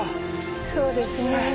そうですね。